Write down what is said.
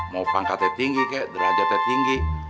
mau pangkatnya tinggi kek derajatnya tinggi